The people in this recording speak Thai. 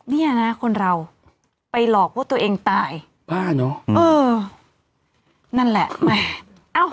เนี่ยนะคนเราไปหลอกว่าตัวเองตายบ้าเนอะเออนั่นแหละแม่เอ้า